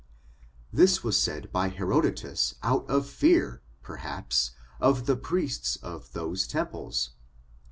This was said by Herodotus out of fear, perhaps, of the priests of those temples.